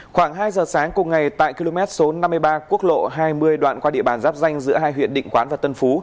khoảng hai giờ sáng cùng ngày tại km số năm mươi ba quốc lộ hai mươi đoạn qua địa bàn giáp danh giữa hai huyện định quán và tân phú